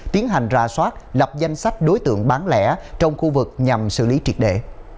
tiến hành ra soát lập danh sách đối tượng bán lẻ trong khu vực nhằm xử lý triệt để